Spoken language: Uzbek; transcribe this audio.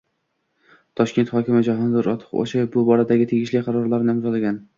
Toshkent hokimi Jahongir Ortiqxo‘jayev bu boradagi tegishli qarorni imzolagan